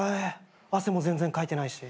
汗も全然かいてないし。